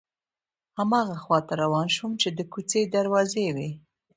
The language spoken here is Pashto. هماغه خواته روان شوم چې د کوڅې دروازې وې.